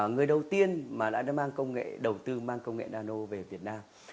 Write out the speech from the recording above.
người đầu tiên mà đã đầu tư mang công nghệ nano về việt nam